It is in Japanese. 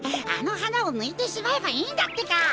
あのはなをぬいてしまえばいいんだってか。